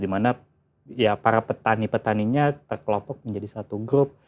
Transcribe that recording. dimana ya para petani petaninya terkelompok menjadi satu grup